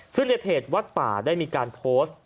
ซึ่งในเพจวัดป่าได้มีการโพสต์